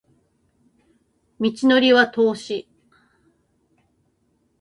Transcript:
道程は遠し